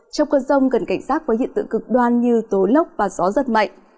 trong cơn rông gần cảnh sát có hiện tượng cực đoan như tố lốc và gió giật mạnh